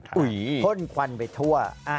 พ่นควันไปทั่ว